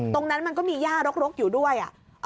ตรงนั้นมันก็มีย่ารกอยู่ด้วย